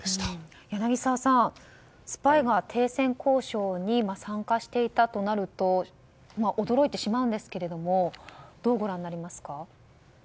柳澤さん、スパイが停戦交渉に参加していたとなると驚いてしまうんですけれどもどうご覧になりますか。